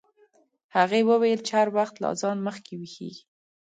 هغې وویل چې هر وخت له اذان مخکې ویښیږي.